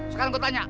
sekarang gue tanya